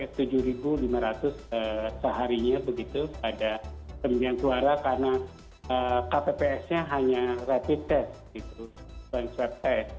akan meningkat sampai tujuh lima ratus seharinya begitu pada kemudian suara karena kpps nya hanya rapid test